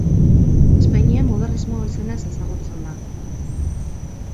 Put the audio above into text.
Espainian modernismo izenez ezagutzen da.